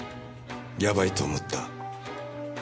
やばいと思った。